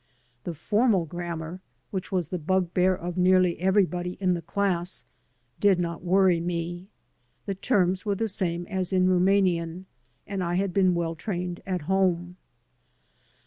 The formal grammar, which was the bugbear of nearly everybody in the class, did not worry me. The terms were the same as in Rumanian, and I had been well trained at home.